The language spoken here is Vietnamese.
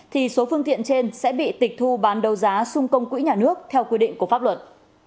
thì số phương tiện trên sẽ bị tịch thu bán đầu giá xung công quỹ nhà nước theo quy định của pháp luật